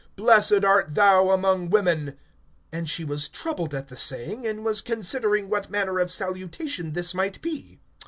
Blessed art thou among women. (29)And she was troubled at the saying; and was considering what manner of salutation this might be.